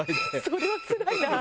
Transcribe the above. それはつらいな。